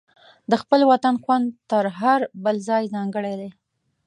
د خپل وطن خوند تر هر بل ځای ځانګړی دی.